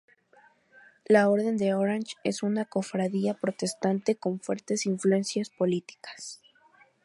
La Orden de Orange es una cofradía protestante con fuertes influencias políticas.